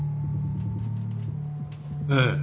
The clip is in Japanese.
ええ。